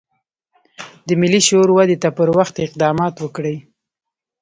د ملي شعور ودې ته پر وخت اقدامات وکړي.